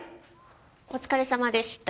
お疲れさまでした。